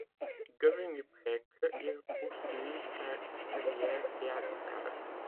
Devenu prêtre, il poursuit sa carrière théâtrale.